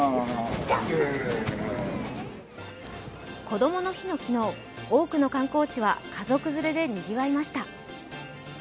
こどもの日の昨日、多くの観光地は家族連れでにぎわいました。